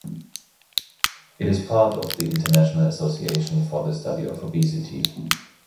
It is part of the International Association for the Study of Obesity.